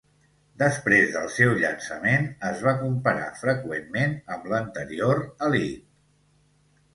Després del seu llançament, es va comparar freqüentment amb l'anterior Elite.